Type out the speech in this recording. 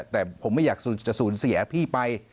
แต่ผมไม่อยากจะสูญเสียพี่ไป